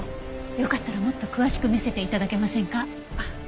よかったらもっと詳しく見せて頂けませんか？